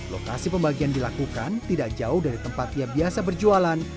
lokasi pembagian dilakukan tidak jauh dari tempat ia biasa berjualan